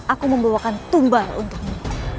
aku membawakan tumbang untukmu